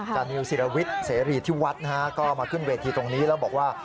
นิวศิรวิทย์เสรีที่วัดนะฮะก็มาขึ้นเวทีตรงนี้แล้วบอกว่า